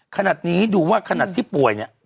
ขนาดนี้ดูว่าขนาดที่ป่วยเนี่ย